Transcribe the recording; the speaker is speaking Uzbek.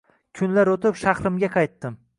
Kunlar oʻtib, shahrimga qaytdim